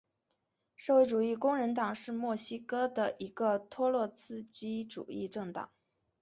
社会主义工人党是墨西哥的一个托洛茨基主义政党。